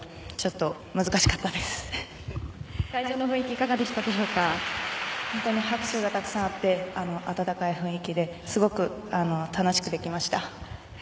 とても拍手がたくさんあって温かい雰囲気ですごく楽しくできました。